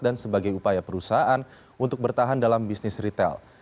dan sebagai upaya perusahaan untuk bertahan dalam bisnis retail